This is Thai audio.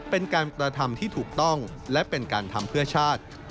เป็นการกระทำที่ถูกต้องและเป็นการทำเพื่อชาติ